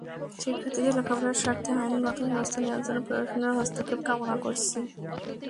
শিক্ষার্থীদের লেখাপড়ার স্বার্থে আইনগত ব্যবস্থা নেওয়ার জন্য প্রশাসনের হস্তক্ষেপ কামনা করছি।